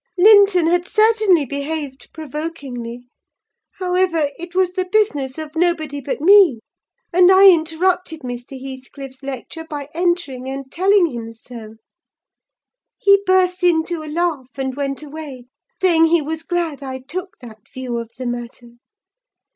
Linton had certainly behaved provokingly: however, it was the business of nobody but me, and I interrupted Mr. Heathcliff's lecture by entering and telling him so. He burst into a laugh, and went away, saying he was glad I took that view of the matter.